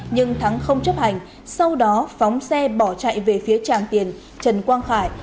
nhưng thắng không chấp hành sau đó phóng xe bỏ chạy về phía tràng tiền trần quang khải